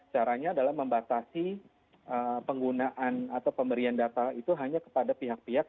caranya adalah membatasi penggunaan atau pemberian data itu hanya kepada pihak pihak